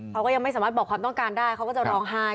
เขาก็ยังไม่สามารถบอกความต้องการได้เขาก็จะร้องไห้